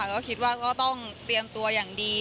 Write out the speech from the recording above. ก็คิดว่าก็ต้องเตรียมตัวอย่างดี